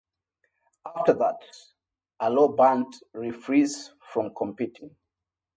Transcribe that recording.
After that a law banned referees from competing.